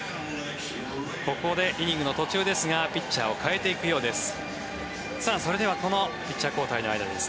ここでイニングの途中ですがピッチャーを代えていくようです。